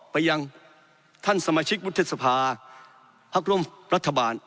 ไปยังท่านสมาชิกมุทธศพาฯภักดิ์ร่วมรัฐบาล